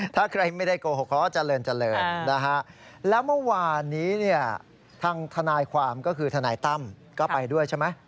ญาติพี่น้องมิตรสหายทุกคนของท่าน